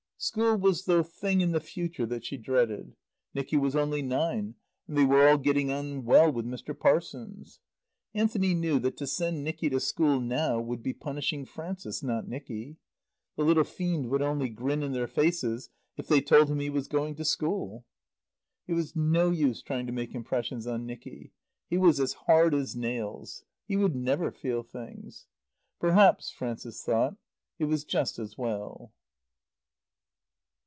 School was the thing in the future that she dreaded. Nicky was only nine, and they were all getting on well with Mt. Parsons. Anthony knew that to send Nicky to school now would be punishing Frances, not Nicky. The little fiend would only grin in their faces if they told him he was going to school. It was no use trying to make impressions on Nicky. He was as hard as nails. He would never feel things. Perhaps, Frances thought, it was just as well.